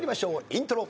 イントロ。